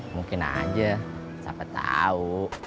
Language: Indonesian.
mungkin aja siapa tau